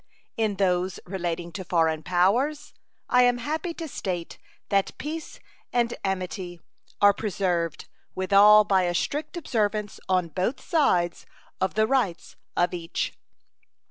In those relating to foreign powers, I am happy to state that peace and amity are preserved with all by a strict observance on both sides of the rights of each.